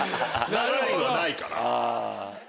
長いのはないから。